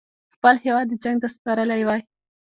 خپل هیواد یې جنګ ته سپارلی وای.